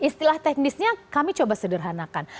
istilah teknisnya kami coba sederhanakan